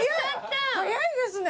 早いですね！